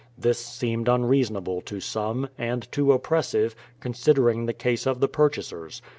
This seemed unreasonable to some, and too oppressive, considering the case of the purchasers.